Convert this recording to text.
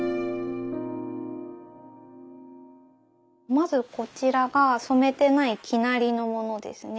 まずこちらが染めてない生成りのものですね。